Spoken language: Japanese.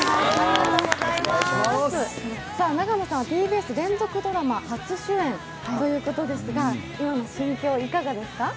永野さんはＴＢＳ連続ドラマ初主演ということですが今の心境、いかがですか？